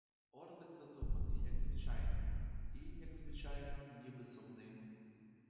Орлик, задуманий, як звичайно, і, як звичайно, ніби сумним.